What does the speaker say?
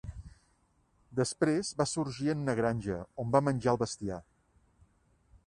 Després va sorgir en una granja, on va menjar el bestiar.